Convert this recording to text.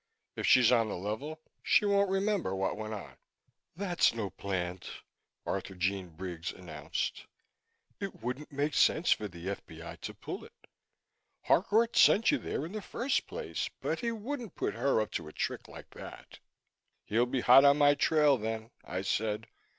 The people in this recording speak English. If she's on the level she won't remember what went on." "That's no plant," Arthurjean Briggs announced. "It wouldn't make sense for the F.B.I. to pull it. Harcourt sent you there in the first place but he wouldn't put her up to a trick like that." "He'll be hot on my trail then," I said.